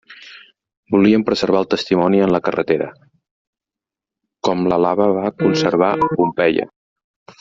Volíem preservar el testimoni en la carretera… com la lava va conservar Pompeia.